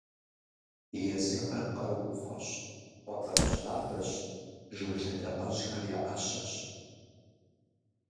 Езыхэр къарууфӀэщ, къуабэбжьабэщ, жыг лъэдакъэжьхэр я Ӏэщэщ.